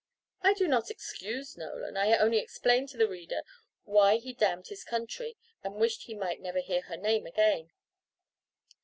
I do not excuse Nolan; I only explain to the reader why he damned his country, and wished he might never hear her name again.